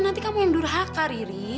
nanti kamu yang durhaka riri